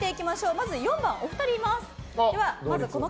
まずは４番、お二人います。